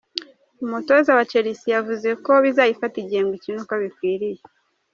Umutoza wa Chelsea yavuze ko bizayifata igihe ngo ikine uko bikwiye.